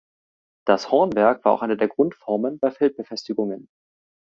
Das Hornwerk war auch eine der Grundformen bei Feldbefestigungen.